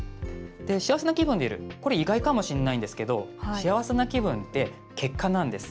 幸せな気分でいるというのはこれ、意外かもしれないんですが幸せな気分って結果なんです。